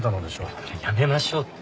だからやめましょうって。